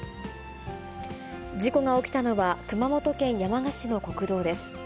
事故が起きたのは、熊本県山鹿市の国道です。